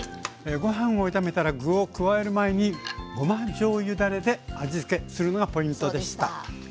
ご飯を炒めたら具を加える前にごまじょうゆだれで味つけするのがポイントでした。